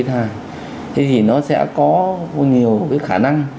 thì nó sẽ có nhiều cái khả năng